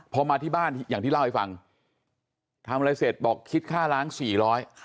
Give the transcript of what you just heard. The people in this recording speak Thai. พอมาที่บ้านอย่างที่เล่าให้ฟังทำอะไรเสร็จบอกคิดค่าล้างสี่ร้อย